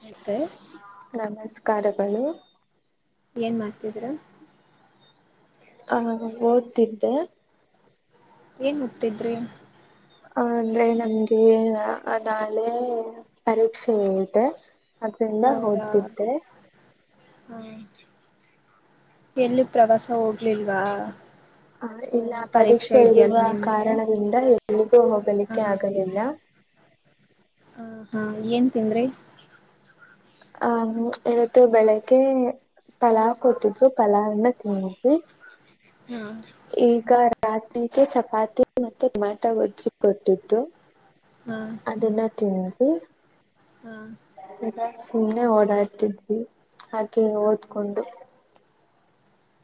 ನಮಸ್ತೆ ಕಾರ್ಯಗಳು ಏನ್ ಮಾಡ್ತಿದ್ರು ಹ ಓದ್ತಿದ್ದೆ ಏನ್ ಗತಿದ್ರಿ ಅ ಅಂದ್ರೆ ನಮ್ಗೆ ನಾಳೆ ಪರೀಕ್ಷೆ ಇದೆ ಅದ್ರಿಂದ ಹೌದಾ ಓದತಿದ್ದೆ ಹಾ ಎಲ್ಲಿ ಪ್ರವಾಸ ಹೋಗ್ಲಿಲ್ವಾ ಹ ಓ, ಇಲ್ಲ ಪರೀಕ್ಷೆ ಇರುವ ಇದೆಯಲ್ಲ ನಿಮ್ಗೆ ಕಾರಣದಿಂದ ಎಲ್ಲಿಗೂ ಹಾ ಹೋಗಲಿಕ್ಕೆ ಆಗಲಿಲ್ಲ ಹ ಹಾ ಏನ್ ತಿಂದ್ರಿ ಅಹ ಇವತ್ತು ಬೆಳಿಗ್ಗೆ ಪಲಾವ್ ಕೊಟ್ಟಿದ್ದು ಪಲಾವ್ನ್ನ ತಿನ್ನಿದ್ವಿ ಹ್ಮ ಈಗ ರಾತ್ಗೆ ಚಪಾತಿ ಮತ್ತೆ ಟಮಾಟ ಗಜ್ಜಿ ಕೊಟ್ಟಟ್ಟು ಹಾ ಅದೆಲ್ಲ ತಿ ಹ್ಮ ಹಾ ಸುಮ್ಮನೆ ಓಡಾಡ್ತಿದ್ವಿ ಹಾಗೆ ಹೌ ಓದ್ಕೊಂಡು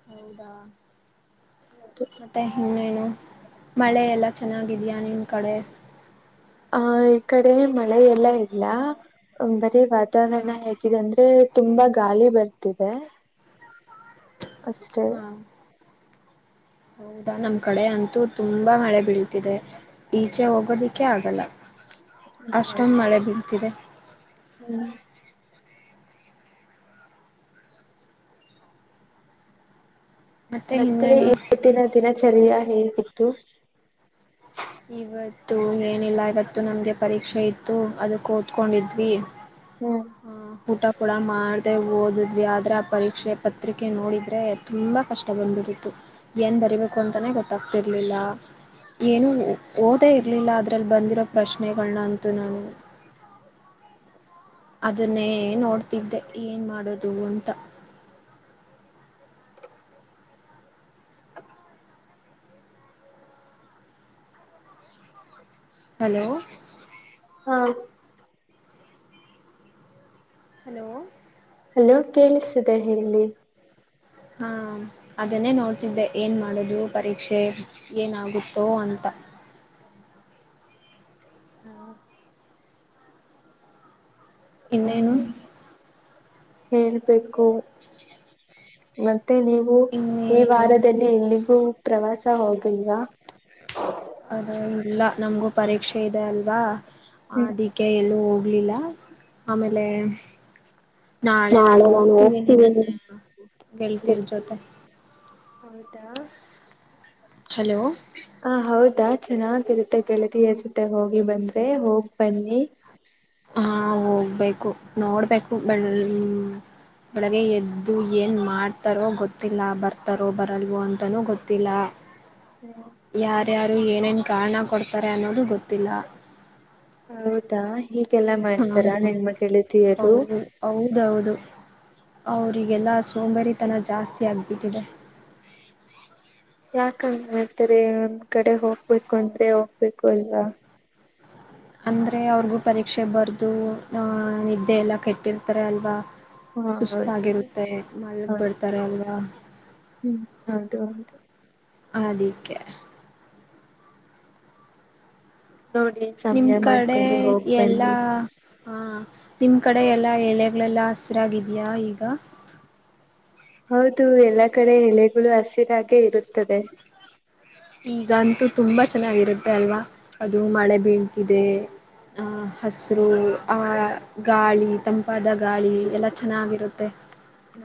ಹೌದಾ [unintelligible] [unintelligible] ಮತ್ತೆ ಇನ್ನೇನು ಮಳೆ ಎಲ್ಲ ಚೆನ್ನಾಗಿದ್ಯಾಾ ನಿಮ ಕಡೆ ಆಹ ಈ ಕಡೆ ಮಳೆ ಎಲ್ಲ ಇಲ್ಲ ಹಾ ವಾತಾವರಣ ಹೇಗಿದೆ ಅಂದ್ರೆ ತುಂಬಾ ಗಾಳಿ ಬರ್ತದೆ ಹ [unintelligible] ಅಷ್ಟೇ ಹಾ [unintelligible] ಹೌದಾ ನಮ ಕಡೆ ಅಂತೂ ತುಂಬಾ ಮಳೆ ಬೀಳ್ತಿದೆ ಈಚೆ ಹೋಗೋದಿಕ್ಕೆ ಆಗಲ್ಲ ಅಷ್ಟಮ ಹೌದಾ ಮಳೆ ಬೀಳ್ತಿದೆ ಮತ್ತೆ ಮತ್ತ ಇನ್ನೇನು ಇವ ದಿನ ದಿನಚರಿಯ [unintelligible] ಹೇಗಿತ್ತು ಇವತ್ತು ಏನಿಲ್ಲ ಇವತ್ತು ನಮ್ಗೆ ಪರೀಕ್ಷೆ ಇತ್ತು ಅದ ಕೂತ್ಕೊಂಡಿದ್ವಿ ಹ್ಮ್ ಹ್ಮ [unintelligible] ಊಟ ಕೂಡ ಮಾಡಿದೆ ಓದಿದ್ವಿದರ ಪರೀಕ್ಷೆ ಪತ್ರಿಕೆ ನೋಡಿದರೆ ತುಂಬ ಕಷ್ಟ ಬಂದ್ಬಿಟ್ಟತ್ತು ಏನು ಬರಿಬೇಕು ಅಂತಲೇ ಗೊತ್ತಾಗ್ತಿರಲಿಲ್ಲ ಏನು ಓದೇ ಇರ್ಲಿಲ್ಲ ಅದ್ರಲ್ಲಿ ಬಂದಿರೋ ಪ್ರಶ್ನೆಗಳನ್ನ ಅಂತೂ ನಾನು [unintelligible] ಅದನ್ನೇ ನೋಡ್ತಿದ್ದೆ ಏನ್ ಮಾಡೋದು ಅಂತ ಹಲೋ ಹಾ [unintelligible] ಹಲೋ ಅಲೋ ಕೇಳಿಸಿದೆ ಹೇಳಿ ಹಾ ಅದನ್ನೇ ನೋಡ್ತಿದ್ದೆ ಏನ್ ಮಾಡದು ಪರೀಕ್ಷೆ ಏನಾಗುತ್ತೋ ಅಂತ ಹ್ಮ್ ಇನ್ನೇನು [unintelligible] ಹೇಳ್ಬೇಕು ಮತ್ತೆ ನೀವು ಈ ಇನ್ನೇನು ವಾರದಲ್ಲಿ ಎಲ್ಲಿಗೂ ಪ್ರವಾಸ ಹೋಗಲ್ವಾ ಅದ ಇಲ್ಲ ನಮ್ಗ್ ಪರೀಕ್ಷೆ ಇದೆ ಅಲ್ವಾ ಅದಿಕ್ಕೆ ಎಲ್ಲೂ ಹೋಗ್ಲಿಲ್ಲ ಆಮೇಲೆ ನಾಳೆ ನಾನು ಹೋಗ್ತಿದಿನಿ ನನ್ನ ಗೆಳ್ತಿರ್ ಜೊತೆ ಹೌದಾ ಹಲೋ ಹ ಹೌದ್ ಚೆನ್ನಾಗಿರುತ್ತೆ ಗೆಳತಿಯರ್ ಜೊತೆ ಹೋಗಿ ಬಂದ್ರೆ ಹೋಗ್ ಬನ್ನಿ ಹಾ ಹೋಗ್ಬೇಕು ನೋಡ್ಬೇಕು [unintelligible] ಬೆಳಗೆ ಎದ್ದು ಏನ್ ಮಾಡ್ತಾರೋ ಗೊತ್ತಿಲ್ಲ ಬರ್ತಾರೋ ಬರಲ್ವೋ ಅಂತನೂ ಗೊತ್ತಿಲ್ಲ ಯಾರ್ಯಾರ್ ಏನೇನ್ ಕಾರ್ಣ ಕೊಡ್ತಾರೆ ಅನ್ನೋದು ಗೊತ್ತಿಲ್ಲ ಹೌದಾ ಹೀಗೆಲ್ಲಾ ಹಾ ಮಾಡ್ತರ ನಿಮ್ಮ ಗೆಳತಿಯರು ಹೌದ್ ಹೌದು ಅವ್ರಿಗೆಲ್ಲ ಸೋಂಬೆರಿತನ ಜಾಸ್ತಿ ಆಗ್ಬಿಟ್ಟಿದೆ ಯಾಕಂಗ್ ಮಾಡ್ತಾರೆ ಒಂದ್ ಕಡೆ ಹೋಗ್ಬೇಕು ಅಂದ್ರೆ ಹೋಗ್ಬೇಕು ಅಲ್ವಾ ಅಂದ್ರೆ ಅವ್ರ್ಗೂ ಪರೀಕ್ಷೆ ಬರ್ದು ಆ ನಿದ್ದೆ ಎಲ್ಲ ಕೆಟ್ಟಿರ್ತಾರೆ ಅಲ್ವಾ ಹಾ ಹೌದು ಸುಸ್ತಾಗಿರುತ್ತೆ ಮಲ್ಗ್ ಹ ಬರ್ತಾರೆ ಅಲ್ವಾ ಹ್ಮ್ ಹೌದು ಹೌದು ಅದಿಕ್ಕೆ ನೋಡಿ ನಿಮ್ ಸಮಯ ಮಾಡ್ಕೊಂಡು ಹೋಗ್ ಬನ್ನಿ ಹ್ಮ ನಿಮ್ ಕಡೆ ಎಲ್ಲಾ ಎಲೆಗಳೆಲ್ಲ ಹಸಿರಾಗಿದ್ಯಾ ಈಗ ಹೌದ್ [unintelligible] ಎಲ್ಲಾ ಕಡೆ ಎಲೆಗಳು ಆಸ ಸರಾಗೆ ಇರುತ್ತದೆ ಈಗಂತೂ ತುಂಬಾ ಚೆನ್ನಾಗಿರುತ್ತೆ ಅಲ್ವಾ ಅದು ಮಳೆ ಬೀಳ್ತಿದೆ ಆಹ್ ಹಸರು ಆ ಗಾಳಿ ತಂಪಾದ ಗ ಗಾಳಿ ಎಲ್ಲ ಚೆನ್ನಾಗಿರುತ್ ಪ್ಪೆ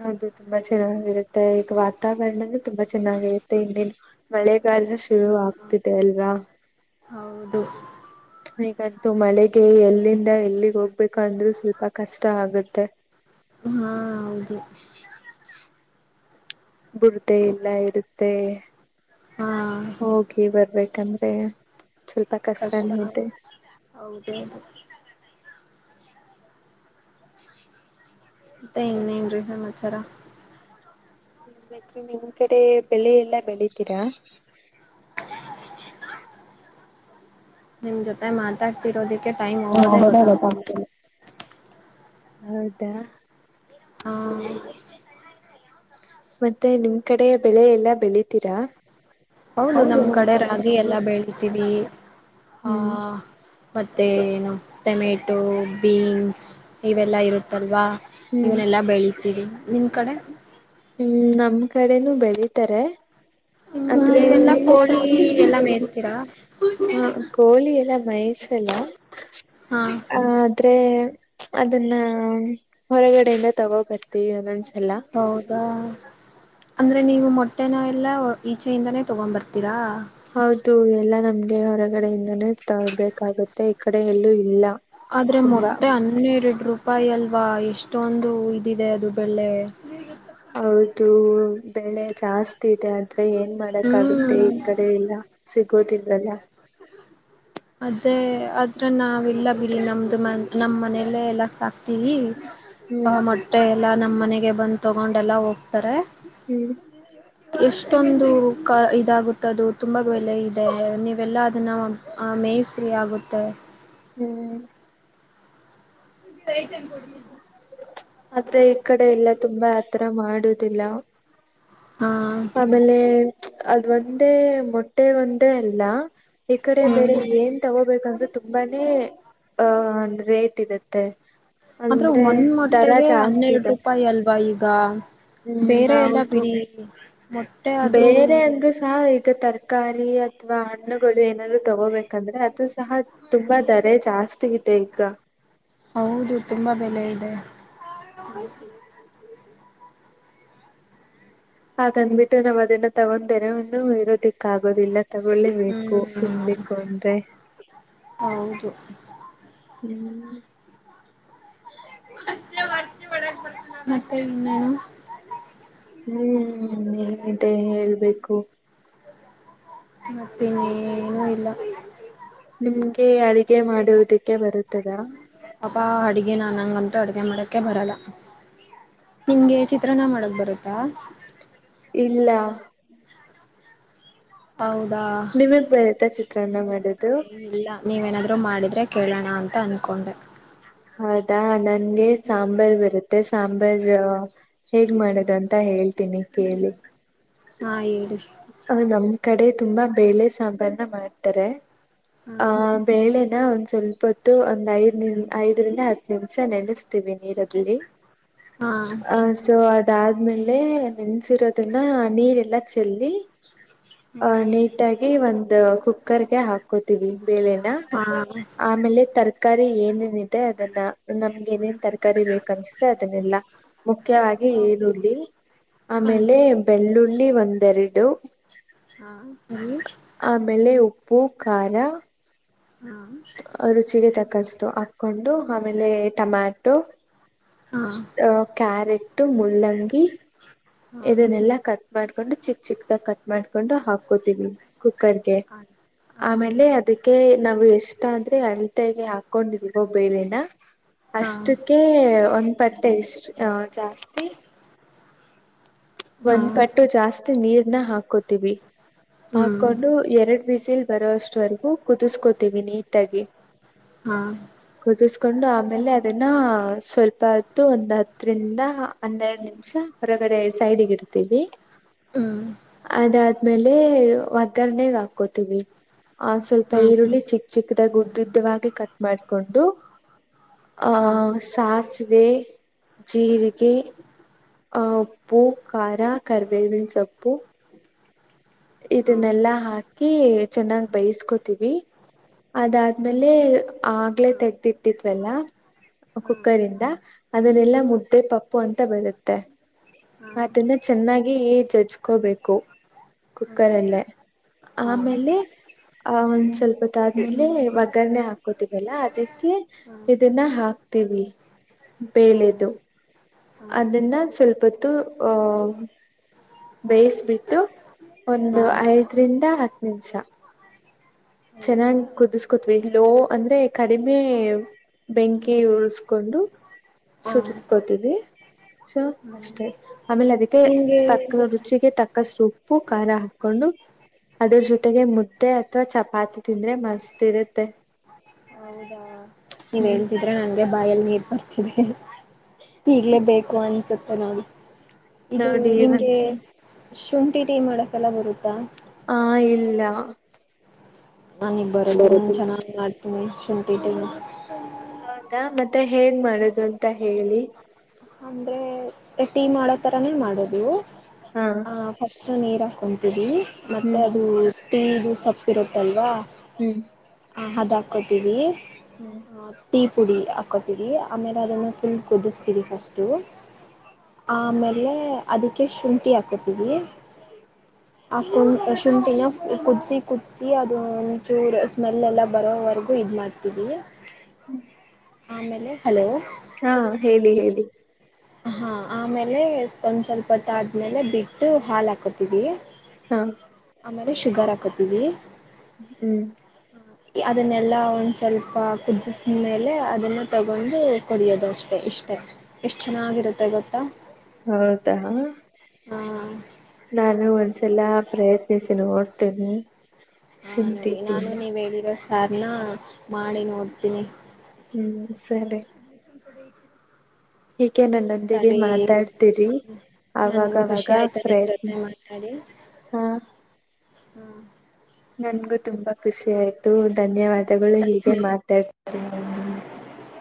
ಅದು ತುಂಬಾ ಚೆನ್ನಾಗಿರುತ್ತೆ ಈಗ ವಾತಾವರಣನ ತುಂಬಾ ಚೆನ್ನಾಗಿರುತ್ತೆ ಇಲ್ಲಿನು ಮಳೆ [unintelligible] ಈಗಲ್ಲ ಶುರು ಆಗ್ತಿದೆ ಎಲ್ಲ ಹೌದು ಈಗ [unintelligible] ಮಳೆಗೆ ಎಲ್ಲಿಂದ ಎಲ್ಲಿಗೆ ಹೋಗ ಬೇಕಂದ್ರು ಸ್ವಲ್ಪ ಕಷ್ಟ ಆಗುತ್ತೆ. ಹಾ ಹೌದು ಬುಡ್ದೇ ಇಲ್ಲ ಇರುತ್ತೆ ಹಾ ಹೋಗಿ ಬರ್ಬೇ ಕಂದ್ರೆ ಕಷ್ಟ ಹೌದೌದು. ತ್ತ ಇನ್ನೆನ್ರಿ ಸಮಮಾಚಾರ. ನಿ ನಿಮ್ ಕಡೆ ಬೆಳೆ ಎಲ್ಲಾ ಬೆಳಿತೀರಾ? ನಿಮ್ ಜೊತೆ ಮಾತಾಡ್ತಿರೋದಿಕ್ಕೆ ಟೈಮ್ ಹಾ ಹೋಗೋದೇ ಅವಾಗೇ ಗೊತ್ತಾಗ್ತಿಲ್ಲ. ಹೌದಾ ಹಾ ಹ್ಮ ಮತ್ತೆ ನಿಮ್ ಕಡೆ ಬೆಳೆ ಎಲ್ಲಾ ಬೆಳಿತೀರಾ? ಹೌದು ನಮ್ ಕಡೆ ರಾಗಿ ಎಲ್ಲ ಬೆಳಿತೀವಿ ಆ ಹ್ಮ್ ಮತ್ತು ಏನು ಟೊಮೆಟೊ ಬೀನ್ಸ್ ಇವೆಲ್ಲ ಇರುತ್ತಲ್ವಾ ಹ್ಮ್ ಇವನ್ನೆಲ್ಲ ಬೆಳಿತೀರಿ ನಿಮ್ಮ ಕಡೆ ಹ್ಮ್ ನಮ್ ಕಡೆನೂ ಬೆಳಿತಾರೆ ಅಂದ್ರೆ ನೀವೆಲ್ಲಾ ಕೋಳಿ ಎಲ್ಲಾ ಮೇಯಿಸ್ತೀರಾ [unintelligible] ಹ ಕೋಳಿ ಎಲ್ಲ ಮೈಸ್ ಸಲ್ಲ [unintelligible] ಹಾ ಅ ಆದ್ರೆ ಅದನ್ನ ಹೊರಗಡೆಯಿಂದ ತಗೋಬತ್ತ ಹೌದಾ ಅಂದ್ರೆ ನೀವು ಮೊಟ್ಟೆನೋ ಎಲ್ಲ ಈಚೆಯಿಂದಾನೇ ತಗೊ್ಂಬರ್ತೀರಾ ಹೌದು ಎಲ್ಲಾ ನಮ್ಗೆ ಹೊರಗಡೆಯಿಂದ ತಗಬೇಕಾಗುತ್ತೆ ಆ ಕಡೆ ಎಲ್ಲೂ ಇಲ್ಲ ಆದ್ರೆ ತುಂಬಾ ಮೊಟ್ಟೆ ಹನ್ನೆರಡು ರೂಪಾಯ ರೂಪಾಯಿ ಅಲ್ವಾ ಎಷ್ಟೊಂದು ಇದಿದೆ ಅದು ಬೆಲೆ ಹೌದು ಬೆಳೆ ಜಾಸ್ತಿ ಇದೆ ಅದು ಏನ್ ಮಾಡಕ್ಾಗುತ್ತೆ ಈ ಹ್ಮ್ ಕಡೆ ಇಲ್ಲ ಗೊತಿಲ್ವಲ್ಲ. ಅದೇ ಅದ್ರು ನಾವಿಲ್ಲ ಬಿಡಿ ನಮ್ದು ಮ ನಮ್ಮ್ ಮನೆಲ್ಲೇ ಎಲ್ಲ ಸಾ ಕ್ತಿವಿ ಆ ಹ್ಮ್ ಮೊಟ್ಟೆ. ಎಲ್ಲಾ ನಮ್ಮ್ ಮನೆಗೆ ಬಂದ್ ತೊಗೊಂಡೆಲ್ಲಾ ಹೋಗ್ ತರೆ ಹ್ಮ್ ಎಷ್ಟೊಂದು ಕ ಇದಾಗು ದು ತುಂಬಾ ಬೆಲೆ ಇದೆ ನೀವೆಲ್ಲಾ ಅದನ್ನ ಮೇಸರಿ ಆಗುತ್ತೆ ಹ್ಮ್ ೈತನ್ ಕೊಡ್ತು ಆದ್ರೆ ಈ ಕಡೆ ಎಲ್ಲ ತುಂಬಾ ಆತರ ಮಾಡುದಿಲ್ಲ ಹಾ ಅಮೇಲೆ ಅದ ಒಂದೇ ಮೊಟ್ಟೆ ಒಂದೇ ಅಲ್ಲ ಈ ಕಡೆ ಮೇರೆ ಹ್ಮ್ ಏನ್ ತಗೋಬೇಕಂದ್ರರು ತುಂಬಾನೇ ಆಹ ಒಂದ್ ರೇಟ್ ಇರುತ್ತೆ ಆದ್ರೆ ಅಂದ್ರೆ ಒಂದ್ ದರ ಮೊಟ್ಟೆಗೆ ಜಾಸ್ತಿ ಹನ್ನೆರಡು ಇದೆ ರೂಪಾಯಿ ಅಲ್ವಾ ಇದು್ ಗ ಹ್ಮ್ ಹೌದು ಮೊಟ್ಟೆ ಆದ್ರೂ ಬೇರೆ ಅಂದ್ರೂ ಸ ಈಗ ತರಕಾರಿ. ಹ್ಮ್ಮ್ ಹಣ್ಣುಗಳು ಏನಾದ್ರು ತಗೋಬೇಕಂದ್ರೆ ಅದು ಸಹ ತುಂಬಾ ದರೆ ಜಾಸ್ತಿ ಇದೆ ಈಗ. ಹೌದು ತುಂಬಾ ಬೆಲೆ ಇದೆ. ಹಾ. [inaudible] ಅದಂದ್ಬಿಟ್ಟು ನಾವ್ ಅದನ್ನ ತಗೊಂಡ್ದೇನೇ ಇರೋದಿಕ್ಕ ಆಗೋದಿಲ್ಲ. ತಗೊಳ್ಳಿಬೇಕು ಹ್ಮ್ ತಿನ್ಬೇಕು ಅಂದ್ರೆ. ಹೌದು ಹ್ಮ್ [unintelligible] ಮತ್ತೆ ಇನ್ನೇನು. ಹ್ಮ್ ಏನಿದೆ ಹೇಳ್ಬೇಕು. ಮತ್ತೆನ್ನನುೂ ಇಲ್ಲ. ನಿಮ್ಗೆ ಅಡುಗೆ ಮಾಡುವುದಕ್ಕೆ ಬರುತ್ತದಾ. ಪಾಪಾ ಅಡ್ಗೆ ನಾನಂಗಂತೂ ಅಡ್ಗೆ ಮಾಡಕ ಬರಲ್ಲ ನಿಮಗೆ ಚಿತ್ರ ನ ಮಾಡಕ್ ಬರುತ್ತಾ. ಇಲ್ಲ. ಹೌದಾ ನಿಮಗ್ ಬರತ್ತಾ ಚಿತ್ರಾನ್ನ ಮಾಡೋದು. ನೀವೇನಾದರೂ ಮಾಡಿದರೆ ಕೇಳೋಣ ಅಂತ ಅಂದ್ಕೊಂಡೆ. ಹೌದಾ ನನ್ಗೆ ಸಾಂಬಾರ್ ಬರುತ್ತೆ ಸಾಂಬಾರ್. ಬರ ಹೇಗ್ ಮಾಡದು ಅಂತ ಹೇಳ್ತೀನಿ ಕೇಳಿ. ಹ ಹೇಳಿ. ಹೌದಮ. ಕಡೆ ತುಂಬಾ ಬೇಳೆ ಸಾಂಬಾರ್ನ ಮಾಡ್ತಾರೆ. ಹ ಹಾ ಬೇಳೆ. ಒಂದ್ ಸ್ವಲ್ಪತ್ತು ಒಂದ್ ಐದ್ ನಿ ಐದರಿಂದ ಹತ್ತು ನಿಮಿಷ ನೆಲೆಸ್ತೀವಿ ನೀರಲ್ಲಿ. ಹಾ ಹ ಸೊ ಅದ್. ಅದಾದ್ಮೇಲೆ ನೆನ್ಸಿರೋದನ್ನ ನೀರೆಲ್ಲ ಚಲ್. ಚಲ್ಲಿ. ಆ ನೀಟಾಗಿ ವನ್. ದ ಕುಕ್ಕರ್ ಗೆ ಹಾಕೋತೀವಿ. ಬೆಳೆನ ಹಾ ಹಾ ಆಮೇಲೆ ತರ. ಕಾರಿ ಏನೇನಿದೆ ಅದನ್ನ ನಮ್ಗೆ ಏನೇನ್ ತರಕಾರಿ ಬೇಕ ಅನ್ಸ್ರೆ ಅದನ್ನಿಲ್ಲ. ಮುಖ್ಯವಾಗಿ ಹೌದಾ ಈರುಳ್ಳಿ ಆಮೇಲೆ ಆಯ್ತು ಬೆಳ್ಳುಳ್ಳಿ ಒಂದು. ದೆರಡು. ಹಾ ಸರಿ. ಪ್ಪು ಕಾರ. ಹಾ ರುಚಿಗೆ ತ ಕಷ್ಟು ಹಾಕ್ಕೊಂಡು. ಆಮೇಲೆ ಟಮ್ಯಾಟೊ ಹಾ ಅ ಕ್ಯಾರೆಟ್. ಟು ಮುಲ್ಲಂಗಿ. ಹಾ ಇದನ್ನೆಲ್ಲಾ ಕಟ್ ಮಾಡ್ಕೊಂಡು ಚಿಕ್ ಚಿಕ್ದಾಗ ಕಟ್ ಮಾಡ್ಕೊಂಡು ಹಾಕೋತೀವಿ ಕುಕ್ಕರ್ಗೆ ಆಯ್ತು ಹಾ ಆಮೇಲೆ ಅದಕ್ಕೆ ನಾವು ಎಷ್ಟ ಆದ್ರೆ ಅಳತೆಗೆ ಹಾಕೊಂಡಿದೀವೋ ಬೇಳೆನ ಹಾ ಅಷ್ಟಕ್ಕೆ ಒಂದ್ ಪಟ್ಟೆ ಎಷ್ಟ ಜಾಸ್ತಿ ಹಾ ಒಂದ್ ಪಟ್ಟು ಜಾಸ್ತಿ ನೀರ್ನ ಹಾಕೋತೀವಿ ಹ್ಮ್ ಹಾಕೊಂಡು ಎರಡ್ ಬಿಸಿಲ್ ಬರೋಷ್ಟವರೆಗೆ ಕುದಿಸ್ಕೋತೀವಿ ನೀಟಾಗಿ ಹ್ಮ ಕೊಂಡು ಆಮೇಲೆ ಅದನ್ನ ಸ್ವಲ್ಪ ಹೊತ್ತು ಒಂದ್ ಹತ್ತರಿಂದ ಹನ್ನೆರಡು ನಿಮಿಷ ಹೊರಗಡೆ ಸೈಡ್ಗಿತಿವಿ ಹ್ಮ್ ಅದಾದ್ಮೇಲೆ ಒಗ್ಗರಣೆಗ ಹಾಕೋತೀವಿ ಆ ಸ್ವಲ್ಪ ಹ್ಮ್ ಈರುಳ್ಳಿ ಚಿಕ್ ಚಿಕ್ದಾಗ ಗೂ ದುದ್ದವಾಗಿ ಕಟ್ ಮಾಡ್ಕೊಂಡು ಹಾ ಹಾ ಹಾ ಹಾ ಹಾ ಆಹ ಸಾಸಿವೆ ಜೀರಿಗೆ ಆಹ ಪ್ಪು ಖಾರ ಕರಿಬೇವಿನ ಸೊಪ್ಪು ಹಾ ಹಾ ಇದನ್ನೆಲ್ಲಾ ಹಾಕಿ ಚೆನ್ನಾಗ ಬೇಯಸ್ಕೋತೀವಿ ಅದಾದ್ಮೇಲೆ ಆಗ್ಲೆ ತೆಗ್ದಿ ಇಟ್ಟಿದ್ವಲ್ಲ ಕುಕ್ಕರ್ ಇಂದ ಅದನ್ನೆಲ್ಲಾ ಮುದ್ದೆ ಪಪ್ಪು ಅಂತ ಬರುತ್ತೆ ಹಾ ಅದನ್ನ ಚೆನ್ನಾಗಿ ಜಜ್ಕೋಬೇಕು ಹಾ ಕುಕ್ಕರ ಹಾ ಹಾ ಅಲ್ಲೆ ಆಮೇಲೆ ಆ ಒಂದ್ ಸ್ವಲ್ಪ ಗೊತ್ತಾದ್ಮೇಲೆ ಒಗ್ಗರಣೆ ಹಾಕೋತವಲ್ಲ ಅದಕ್ಕೆ ಇದನ್ನ ಹಾಕ್ತೀವಿ ಬೆಲೆದು ಅದನ್ನ ಸ್ವಲ್ಪೊತ್ತು ಹ ಬೇಯಿಸಬಿಟ್ಟು ಒಂದು ಐದರಿಂದ ತ ಹತ್ತು ನಿಮಿಷ ಚೆನ್ನಾಗಿ ಹೌದಾ ಕುದಿಸಕೋತವಿ ಲೋ ಅಂದ್ರೆ ಕಡಿಮೆ ಬೆಂಕಿ ಉರಸಕೋಂಡು ಹಾ ಹಾ ಸುರ್ಕೋತಿದ್ವಿ ಸೊ ಅಷ್ಟೇ ಆಮೇಲೆ ಅದಕ್ಕೆ ನಿಮ್ಗೆ ತಕ್ಕ ರುಚಿಗೆ ತಕ್ಕ ಸೊಪ್ಪು ಖಾರ ಹಾಕೊಂಡು ಅದ್ರ ಜೊತೆಗೆ ಮುದ್ದೆ ಅಥವಾ ಚ ಹೌದಾ ನೀವ್ ಹ್ಮ್ ಹೇಳ್ತಿದ್ರೆ ನಂಗೆ ಬಾಯಲ್ಲಿ ನೀರ್ ಬರ್ತಿದೆ ಇರ್ಲೇಬೇಕೇಕು ಅನ್ಸುತ್ತೆ ನಾು ಇದು ನೋಡಿ ನಿಮ್ಗೆ ಒಂದ್ಸಲ ಶುಂಠಿಟ ಮಾಡಕಲ್ಲ ಬರುತ್ತೆ ದ ಆ ಇಲ್ಲ ನನ್ ಈಗ್ ಬರತ್ತೆ ನಾನ್ ಬರುತ್ತಿಲ್ಲ ಚೆನ್ನಾಗಾಗಿ ಮಾಡ್ತೀನಿ ಚಟಿಡಲ್ಲ ಹೌದಾ ಮತ್ತೆ ಹೆಂಗ ಮಾಡದು ಅಂತ ಹೇಳಿ ಅಂದ್ರೆ ಟೀ ಮಾಡೋ ತರಾನೇ ಮಾಡೋದವು ಹಾ ಹಾಸ್ ಸೊ ನೀರು ಹಾಕೊಂತೀವಿ ಮತ್ತೆ ಹ್ಮ್ ಅದು ಟೀಗೂ ಸೊಪ್ಪಿರುತ್ತಲ್ವಾ ಹ್ಮ್ ಹಾ ಅದು ಹಾಕೋತೀವಿ ಹ್ಮ್ ಟೀ ಪುಡಿ ಹಾಕೋತಿೀವಿ ಆಮೇಲೆ ಅದನ್ನು ಫುಲ್ ಕುದಿಸ್ತೀವಿ ಫಸ್ಟ್ ಆಮೇಲೆ ಅದಕ್ಕೆ ಶುಂಠಿ ಹಾಕತೀವಿ ಆ ಕು ಶುಂಠಿನ ಕುದಸಿ ಕುದಸಿ ಅದು ಒಚೂರ್ ಸ್ಮೆಲ್ ಎಲ್ಲ ಬರೋವರೆಗೂ ಇದ್ ಮಾಡ್ತೀವಿ ಹ್ಮ್ ಆಮೇಲೆ ಹಲೋ ಹಾ ಹೇಳಿ ಹೇಳಿ ಹಾ ಆಮೇಲೆ ಸ್ಪಂದ್ ಸ್ವಲ್ಪ ಹೊತ್ತಾದ್ಮೇಲೆ ಬಿಟ್ಟು ಹಾಲ್ ಹಾಕೋತಿದೀವಿ ಹಾ ಆಮೇಲೆ ಶುಗರ್ ಹಾಕತೀವಿ ಹ್ಮ್ ಅದನ್ನೆಲ್ಲಾ ಒಂದ್ ಸ್ವಲ್ಪ ಕುಜ್ಜಿಸಿದ ಮೇಲೆ ಅದನ್ನ ತಗೊಂಡು ಕುಡಿಯೋದು ಅಷ್ಟೆ ಇಷ್ಟೇಷ್ಟ ಚೆನ್ನಾಗಿರುತ್ತೆ ಗೊತ್ತಾ ಹೌದಾ ಹಾ ನಾನು ಒಂದ್ಸಲ ಪ್ರಯತ್ನಿಸಿ ನೋಡ್ತೇನಿ ಹಾ ಶುಂಠಿ ನೋಡಿ ನಾನು ಟೀನ ನೀವ್ ಹೇಳಿರೋ ಯಾರ್ನ ಮಾಡಿ ನೋಡ್ತೀನಿ ಹ್ಮ್ ಸರಿ ಹೀಗೆೆ ನನ್ನೊಂದಿಗೆ ಸರಿ ಮಾತಾಡ್ತೀರಿ ನನ್ಗೂ ಆವಾಗವಾಗ ಖುಷಿ ಆಯ್ತು ನಿಮ್ ಪ್ರಯತ್ನ ಜೊತೆ ಹ ಹ್ಮ ನನ್ಗೂ ತುಂಬಾ ಖುಷಿ ಆಯ್ತು ಧನ್ಯವಾದ ಮಗಳು ಹೀಗೆ ಜಾಸ್ತಿ ಮಾತಾಡ್ [inaudible]